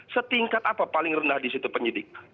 setingkat apa paling rendah di situ penyidik